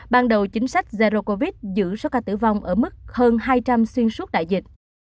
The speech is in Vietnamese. ban đầu chính sách zero covid giữ số ca tử vong ở mức hơn hai trăm linh xuyên suốt đại dịch